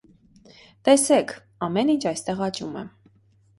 Տեսե՜ք, ամեն ինչ այստեղ աճում է։